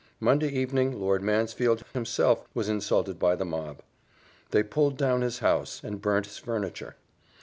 Monday evening Lord Mansfield himself was insulted by the mob, they pulled down his house, and burnt his furniture.